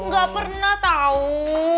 gak pernah tau